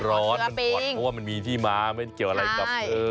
มันร้อนเพราะมันมีที่มาไม่เกี่ยวอะไรกับ